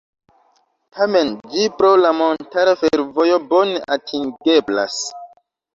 Tamen ĝi pro la montara fervojo bone atingeblas.